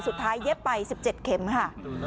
สุดท้ายเย็บไป๑๗เข็มค่ะ